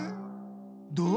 どう？